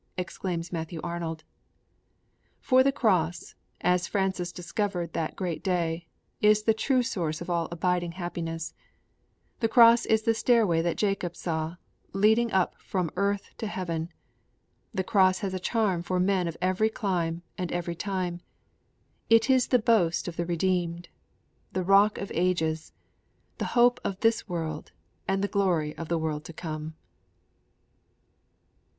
_' exclaims Matthew Arnold. For the Cross, as Francis discovered that great day, is the true source of all abiding happiness; the Cross is the stairway that Jacob saw, leading up from earth to heaven; the Cross has a charm for men of every clime and every time; it is the boast of the redeemed; the rock of ages; the hope of this world and the glory of the world to come.